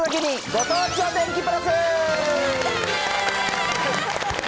ご当地お天気プラス。